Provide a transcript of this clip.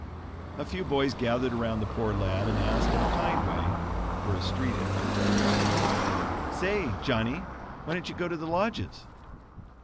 A few boys gathered around the poor lad, and asked in a kind way (for a street Arab): "Say, Johnny, why don't you go to the lodges?"